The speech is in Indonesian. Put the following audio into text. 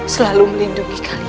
selalu melindungi kalian